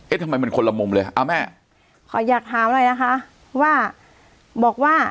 ทำไมมันคนละมุมเลยฮะอ่าแม่ขออยากถามหน่อยนะคะว่าบอกว่า